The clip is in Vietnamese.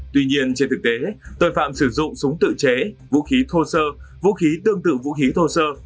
tuy nhiên trên thực tế tội phạm sử dụng súng tự chế vũ khí thô sơ vũ khí tương tự vũ khí thô sơ